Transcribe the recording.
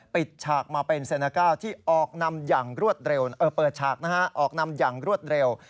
ปิดฉากมาเป็นเซนเกลาที่เปิดฉากออกนำอย่างรวดเร็ว